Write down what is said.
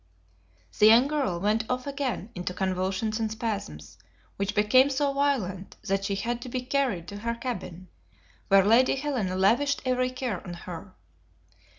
The young girl went off again into convulsions and spasms, which became so violent that she had to be carried to her cabin, where Lady Helena lavished every care on her.